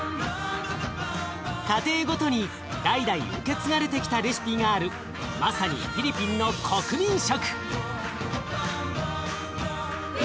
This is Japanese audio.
家庭ごとに代々受け継がれてきたレシピがあるまさにフィリピンの国民食！